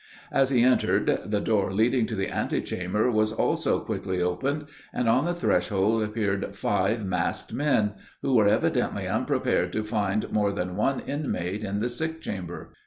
As he entered, the door leading to the ante chamber was also quickly opened, and on the threshold appeared five masked men, who were evidently unprepared to find more than one inmate in the sick chamber.